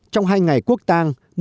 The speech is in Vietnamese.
trong hai ngày quốc tang